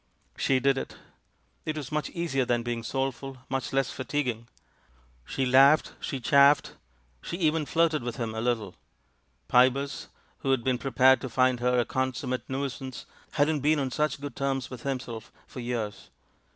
She did it. It was much easier than being soulful, much less fatiguing. She laughed, she chaffed, she even flirted with him a little. Pybus, who had been prepared to find her a consummate nuisance, hadn't been on such good terms with himself for years.